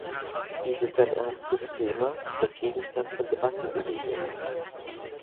Dies ist ein ernstes Thema, das Gegenstand von Debatten gewesen ist.